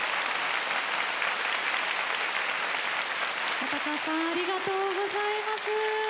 尾高さんありがとうございます。